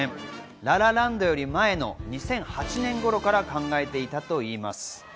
『ラ・ラ・ランド』より前の２００８年ごろから考えていたといいます。